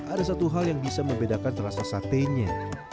ada satu hal yang bisa membedakan rasa satenya